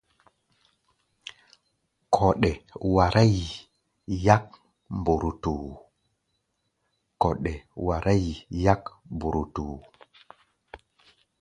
Kɔɗɛ wará yi yák borotoo.